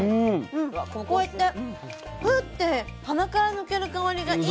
こうやってフッて鼻から抜ける香りがいい。